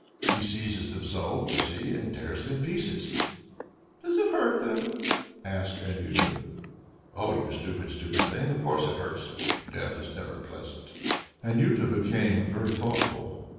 He seizes them so, you see, and tears them in pieces." "Does it hurt them?" asked Anjuta. "Oh, you stupid, stupid thing! Of course it hurts them. Death is never pleasant." Anjuta became very thoughtful.